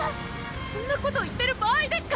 そんなこと言ってる場合ですか！